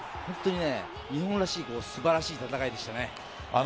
日本らしい素晴らしい戦いでしたね。